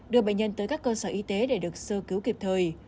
đưa bệnh nhân tới các cơ sở y tế để được sơ cứu kịp thời